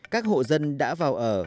các hộ dân đã vào ở